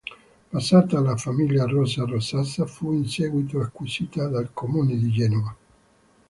Passata alla famiglia Rolla Rosazza, fu in seguito acquisita dal Comune di Genova.